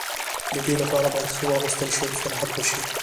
د دې لپاره باید ښه واغوستل شي او استراحت وشي.